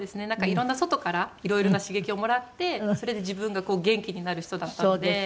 いろんな外からいろいろな刺激をもらってそれで自分がこう元気になる人だったので。